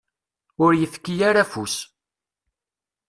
Ur yefki ara afus.